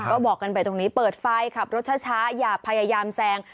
ก็บอกกันไปตรงนี้เปิดไฟขับรถช้าอย่าพยายามแซง